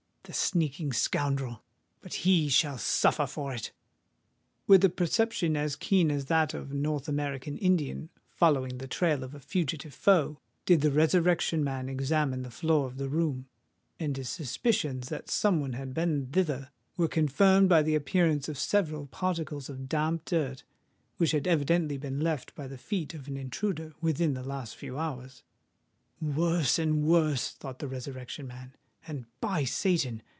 The sneaking scoundrel! But he shall suffer for it." With a perception as keen as that of the North American Indian following the trail of a fugitive foe, did the Resurrection Man examine the floor of the room; and his suspicions that some one had been thither were confirmed by the appearance of several particles of damp dirt, which had evidently been left by the feet of an intruder within the last few hours. "Worse and worse!" thought the Resurrection Man. "And, by Satan!